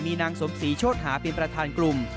มีนางสมศรีโชธหาเป็นประธานกลุ่ม